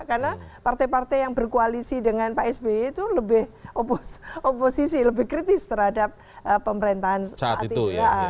karena partai partai yang berkoalisi dengan pak sby itu lebih oposisi lebih kritis terhadap pemerintahan saat itu